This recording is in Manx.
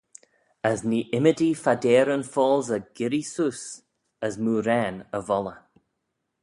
As nee ymmodee phadeyryn-foalsey girree seose, as mooarane y volley.